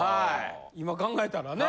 今考えたらね。